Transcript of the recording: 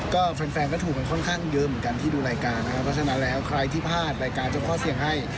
ก็แฟนก็ถูกมันค่อนข้างเยอะเหมือนกันที่ดูรายการนะครับเพราะฉะนั้นแล้วใครที่พลาดรายการเจ้าพ่อเสียงให้